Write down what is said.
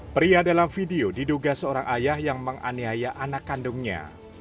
pria dalam video diduga seorang ayah yang menganiaya anak kandungnya